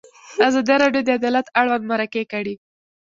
ازادي راډیو د عدالت اړوند مرکې کړي.